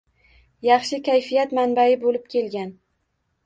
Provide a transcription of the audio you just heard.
Yaxshi kayfiyat manbai bo‘lib kelgan.